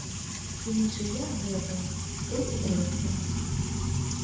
І нічыя гэтая толькі трэцяя.